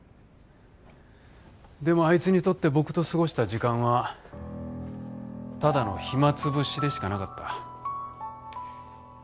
でもあいつにとって僕と過ごした時間はただの暇潰しでしかなかった。